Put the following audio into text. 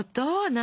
何？